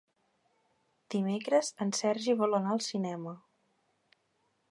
Dimecres en Sergi vol anar al cinema.